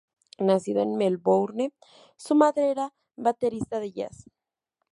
Nacido en Melbourne, su madre era baterista de jazz.